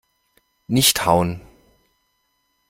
Nicht hauen!